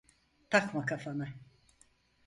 Takma kafana.